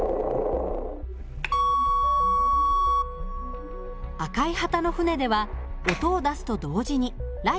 赤い旗の船では音を出すと同時にライトを点灯します。